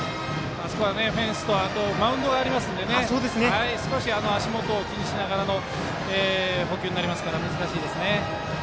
フェンスとマウンドがありますので少し足元を気にしながらの捕球になりますから難しいですね。